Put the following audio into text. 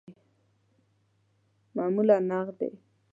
معمولاً نغدی